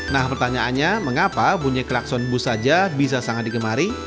nah pertanyaannya mengapa bunyi klakson bus saja bisa sangat digemari